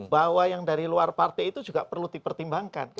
bahwa yang dari luar partai itu juga perlu dipertimbangkan